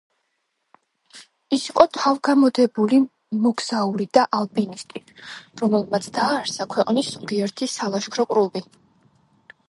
ის იყო თავგამოდებული მოგზაური და ალპინისტი, რომელმაც დააარსა ქვეყნის ზოგიერთი სალაშქრო კლუბი.